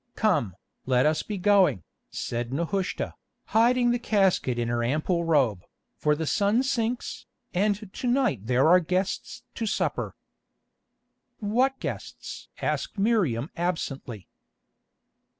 "Come, let us be going," said Nehushta, hiding the casket in her amble robe, "for the sun sinks, and to night there are guests to supper." "What guests?" asked Miriam absently.